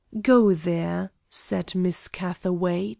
"Go there," said Miss Catherwaight.